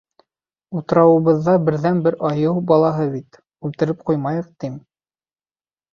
Утрауыбыҙҙа берҙән-бер айыу балаһы бит, үлтереп ҡуймайыҡ тим.